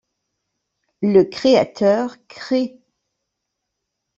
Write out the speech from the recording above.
Le créateur crée.